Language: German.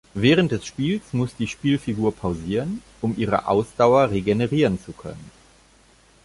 Während des Spiels muss die Spielfigur pausieren, um ihre Ausdauer regenerieren zu können.